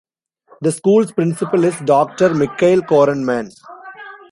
The school's principal is Doctor Mikhail Korenman.